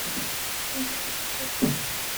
Fkan-ak-t?